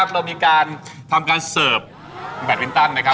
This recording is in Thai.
เรามีการทำการเสิร์ฟแบตมินตันนะครับ